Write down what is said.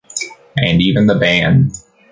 And even the ban.